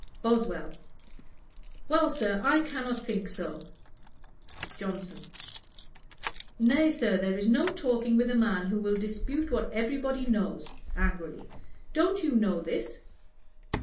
BOSWELL. 'Well, Sir, I cannot think so.' JOHNSON. 'Nay, Sir, there is no talking with a man who will dispute what every body knows, (angrily.) Don't you know this?'